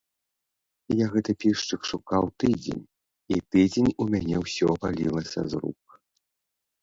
Я гэты пішчык шукаў тыдзень, і тыдзень у мяне ўсё валілася з рук.